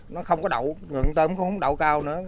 nó không có đậu người con tôm cũng không có đậu cao nữa